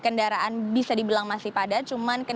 kendaraan bisa dibilang masih padat